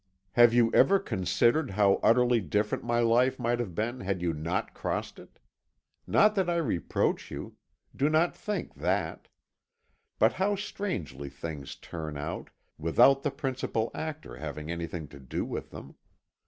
"Have you ever considered how utterly different my life might have been had you not crossed it? Not that I reproach you do not think that; but how strangely things turn out, without the principal actor having anything to do with them!